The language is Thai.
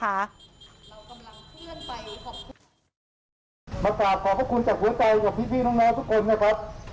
มาตากขอบคุณจากหัวใจกับพิธีน้องน้องทุกคนนะครับ